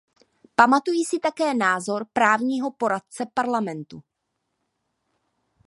Pamatuji si také názor právního poradce Parlamentu.